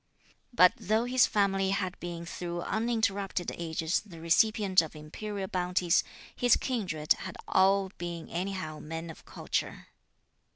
But though his family had been through uninterrupted ages the recipient of imperial bounties, his kindred had all been anyhow men of culture.